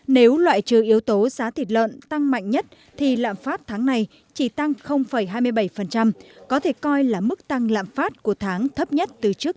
nếu loại trừ yếu tố giá thịt lợn tăng mạnh nhất thì lạm phát tháng này chỉ tăng hai mươi bảy có thể coi là mức tăng lạm phát của tháng thấp nhất